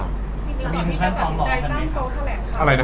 จริงพอทีนี้จะตัดสินใจตั้งโต้แค่แหละครับ